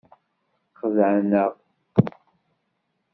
Xedɛen-aɣ.